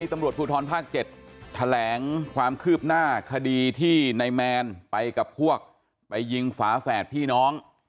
ตำรวจภูทรภาค๗แถลงความคืบหน้าคดีที่นายแมนไปกับพวกไปยิงฝาแฝดพี่น้อง